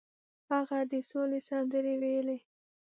هغه د سولې سندرې ویلې.